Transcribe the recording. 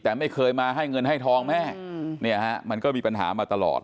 แต่ไม่เคยมาให้เงินให้ทองแม่เนี่ยฮะมันก็มีปัญหามาตลอด